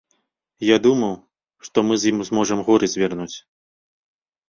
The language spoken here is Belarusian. Я думаў, што мы з ім зможам горы звярнуць.